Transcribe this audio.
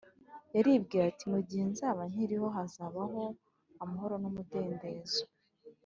Yaribwiraga ati «Mu gihe nzaba nkiriho hazabaho amahoro n’umudendezo.»